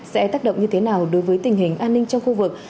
sẽ tác động như thế nào đối với tình hình an ninh trong khu vực